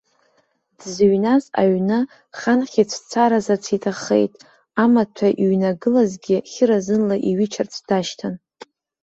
Дзыҩназ аҩны ханхьыҵәцаразарц иҭаххеит, амаҭәа иҩнагылазгьы хьыразныла иҩычарц дашьҭан.